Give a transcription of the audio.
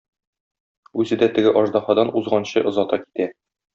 Үзе дә теге аждаһадан узганчы озата китә.